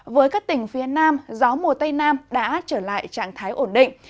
với các tỉnh phía nam gió mùa tây nam đã trở lại trạng thái ổn định